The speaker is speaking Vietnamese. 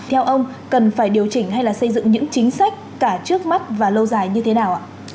theo ông cần phải điều chỉnh hay là xây dựng những chính sách cả trước mắt và lâu dài như thế nào ạ